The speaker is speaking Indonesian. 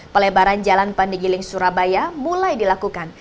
pelebaran jalan pandegiling surabaya mulai dilakukan